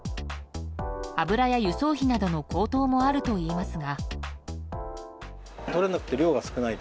油や輸送費などの高騰もあるといいますが。